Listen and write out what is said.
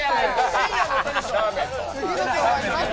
深夜のテンション。